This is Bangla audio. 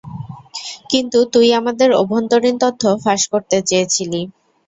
কিন্তু তুই আমাদের অভ্যন্তরীণ তথ্য ফাঁস করতে চেয়েছিলি।